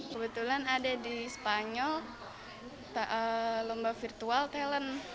kebetulan ada di spanyol lomba virtual talent